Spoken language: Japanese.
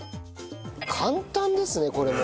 簡単ですねこれも。